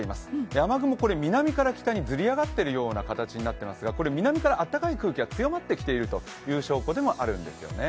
雨雲、南から北にずり上がってるような感じになっていますが南から暖かい空気が強まってきている証拠でもあるんですよね。